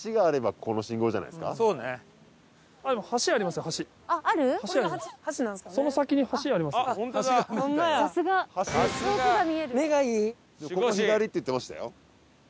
ここを左って言ってましたよ。